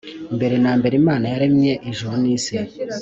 Mbere na mbere Imana yaremye ijuru n’isi.